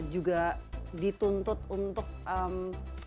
juga dituntut untuk emmm